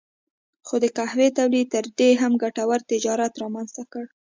خو د قهوې تولید تر دې هم ګټور تجارت رامنځته کړ.